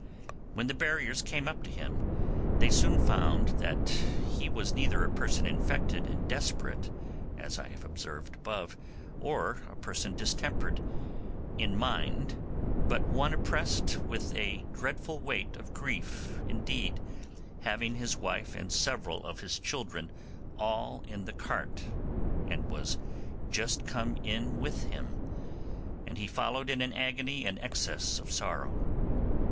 When the buriers came up to him they soon found he was neither a person infected and desperate, as I have observed above, or a person distempered—in mind, but one oppressed with a dreadful weight of grief indeed, having his wife and several of his children all in the cart that was just come in with him, and he followed in an agony and excess of sorrow.